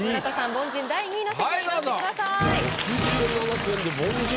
凡人第２位の席に移動してください。